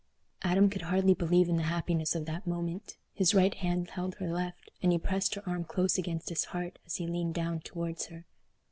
Adam could hardly believe in the happiness of that moment. His right hand held her left, and he pressed her arm close against his heart as he leaned down towards her.